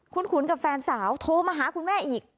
คุณขุนกับแฟนสาวโทรมาหาคุณแม่อีก